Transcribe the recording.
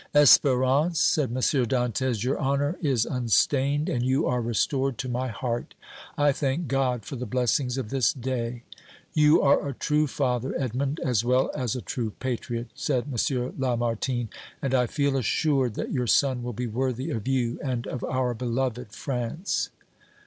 "Espérance," said M. Dantès, "your honor is unstained and you are restored to my heart. I thank God for the blessings of this day!" "You are a true father, Edmond, as well as a true patriot," said M. Lamartine, "and I feel assured that your son will be worthy of you and of our beloved France."